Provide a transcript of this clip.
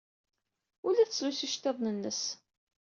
Ur la tettlusu iceḍḍiḍen-nnes.